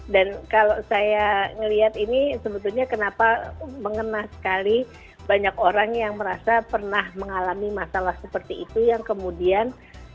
dan kalau saya melihat ini sebetulnya kenapa mengena sekali banyak orang yang merasa pernah mengalami masalah seperti itu yang kemudian